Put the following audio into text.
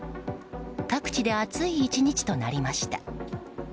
各地で暑い１日となりました。